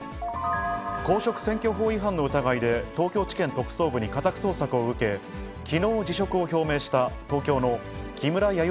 公職選挙法違反の疑いで東京地検特捜部に家宅捜索を受け、きのう辞職を表明した東京の木村弥生